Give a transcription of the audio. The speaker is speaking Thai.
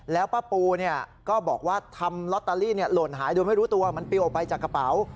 แล้วป้าปูก็บอกว่าทำลอตเตอรี่หล่นหายโดยไม่รู้ตัวมันปิวออกไปจากกระเป๋า